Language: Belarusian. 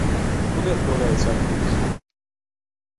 Куды адпраўляюцца адкіды з іх?